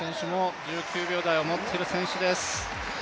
１９秒台を持っている選手です。